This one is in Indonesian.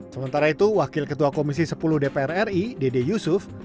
sementara itu wakil ketua komisi sepuluh dpr ri dede yusuf